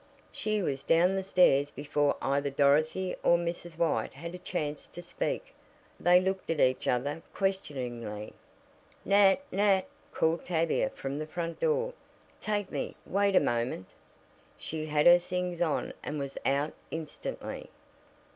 She was down the stairs before either Dorothy or Mrs. White had a chance to speak. They looked at each other questioningly. "Nat! Nat!" called Tavia from the front door. "Take me! Wait a moment!" She had her things on and was out instantly.